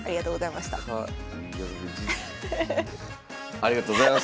ありがとうございます。